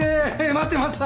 待ってました。